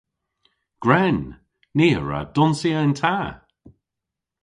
Gwren! Ni a wra donsya yn ta!